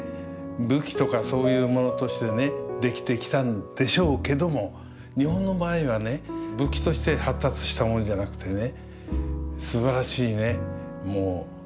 武器とかそういうものとしてね出来てきたんでしょうけども日本の場合はね武器として発達したものじゃなくてね